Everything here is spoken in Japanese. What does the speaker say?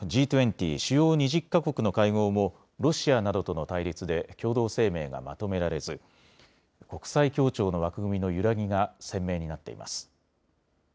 ・主要２０か国の会合もロシアなどとの対立で共同声明がまとめられず国際協調の枠組みの揺らぎが鮮明になっています。